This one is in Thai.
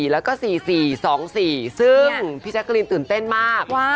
แล้วก็๔๔๒๔ซึ่งพี่แจ๊กกะรีนตื่นเต้นมาก